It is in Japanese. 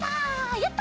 やった！